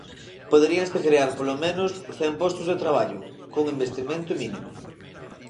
Poderíanse crear polo menos cen postos de traballo, cun investimento mínimo.